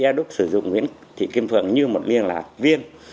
việc eo đúc sử dụng nguyễn thị kim phượng như một liên lạc viên